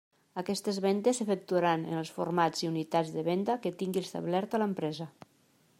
Aquestes vendes s'efectuaran en els formats i unitats de venda que tingui establerta l'empresa.